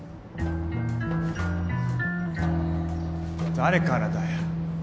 誰からだよ？